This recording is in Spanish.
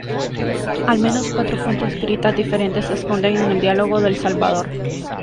Al menos cuatro fuentes escritas diferentes se esconden en el Diálogo del Salvador.